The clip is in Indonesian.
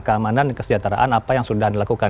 keamanan dan kesejahteraan apa yang sudah dilakukan